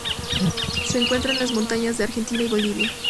Se encuentra en las montañas de Argentina y Bolivia.